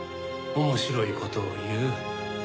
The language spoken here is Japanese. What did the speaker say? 面白い事を言う。